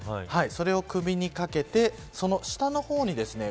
それを首にかけてその下の方にですね